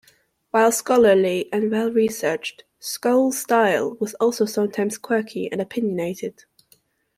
While scholarly and well-researched, Scholes' style was also sometimes quirky and opinionated.